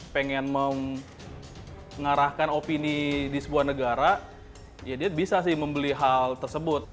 pengen mengarahkan opini di sebuah negara ya dia bisa sih membeli hal tersebut